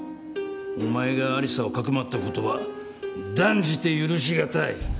お前が有沙をかくまったことは断じて許しがたい。